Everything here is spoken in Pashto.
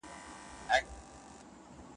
قابیله اوس نو تر قیامته ورور په شا ګرځوه